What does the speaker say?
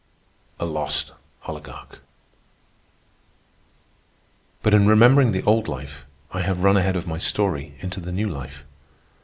A LOST OLIGARCH But in remembering the old life I have run ahead of my story into the new life.